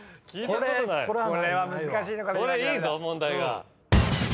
これいいぞ問題が。